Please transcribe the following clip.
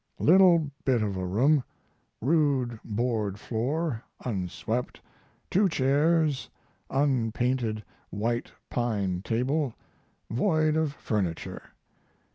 Little bit of a room, rude board floor unswept, 2 chairs, unpainted white pine table void the furniture!